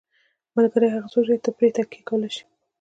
ملګری هغه څوک دی چې ته پرې تکیه کولی شې.